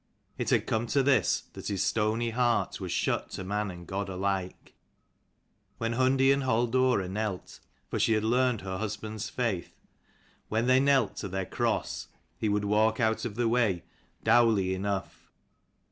It had come to this that his stony heart was shut to man and God alike. When Hundi and Halldora knelt, for she had learned her husband's faith, when they knelt to their cross, he would walk out of the way dowly enough.